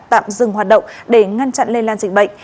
tạm dừng hoạt động để ngăn chặn lây lan dịch bệnh